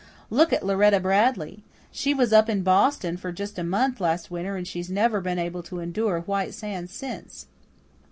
Look at Lauretta Bradley. She was up in Boston for just a month last winter and she's never been able to endure White Sands since."